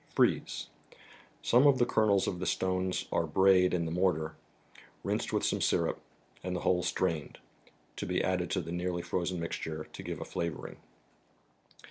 Freeze. Some of the kernels of the stones are brayed in the mortar, rinsed with some syrup, and the whole strained ; to be added to the nearly frozen mixture, to give a flavoring.